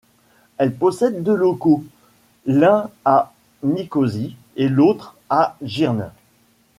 Elle possède deux locaux, l'un à Nicosie et l'autre à Girne.